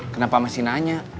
kenapa masih nanya